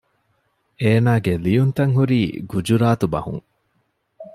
އޭނާގެ ލިޔުންތައް ހުރީ ގުޖުރާތު ބަހުން